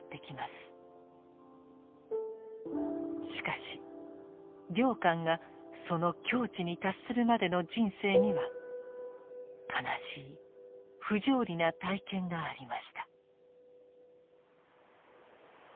しかし良寛がその境地に達するまでの人生には悲しい不条理な体験がありました。